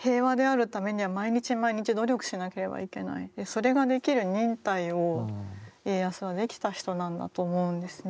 だけれどもそれができる忍耐を家康はできた人なんだと思うんですね。